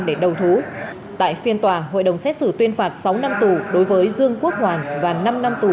để đầu thú tại phiên tòa hội đồng xét xử tuyên phạt sáu năm tù đối với dương quốc hoàn và năm năm tù